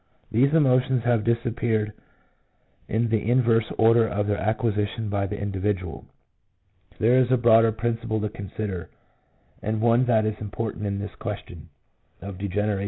These emotions have disappeared in the inverse order of their acquisition by the individual. There is a broader principle to consider, and one that is important in this question of degeneration, 1 T.